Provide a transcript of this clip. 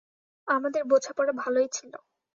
আমাদের বোঝাপড়া ভালই ছিল।